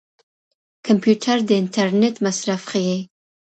کمپيوټر د انټرنيټ مصرف ښيي.